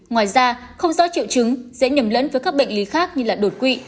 ngoài ra không rõ triệu chứng dễ nhầm lẫn với các bệnh lý khác như đột quỵ